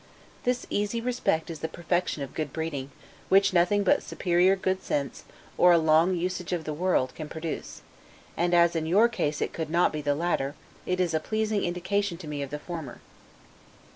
This easy respect is the perfection of good breeding, which nothing but superior good sense, or a long usage of the world, can produce, and as in your case it could not be the latter, it is a pleasing indication to me of the former.